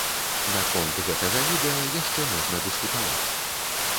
Наконт гэтага відэа яшчэ можна дыскутаваць.